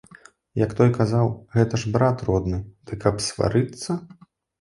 Як той казаў, гэта ж брат родны, дык каб сварыцца?